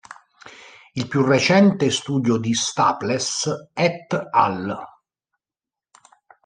Il più recente studio di Staples et al.